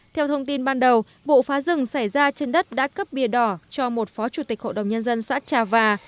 theo thông tin ban đầu vụ phá rừng xảy ra trên đất đã cấp bia đỏ cho một phó chủ tịch hội đồng nhân dân xã trà và